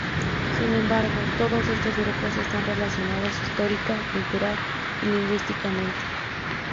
Sin embargo, todos estos grupos están relacionados histórica, cultural y lingüísticamente.